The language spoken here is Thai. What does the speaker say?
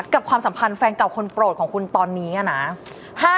ความสัมพันธ์แฟนเก่าคนโปรดของคุณตอนนี้นะ